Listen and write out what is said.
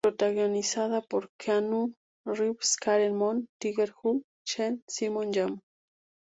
Protagonizada por Keanu Reeves, Karen Mok, Tiger Hu Chen, Simon Yam.